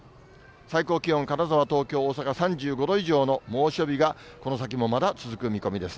最高気温、金沢、東京、大阪３５度以上の猛暑日がこの先もまだ続く見込みです。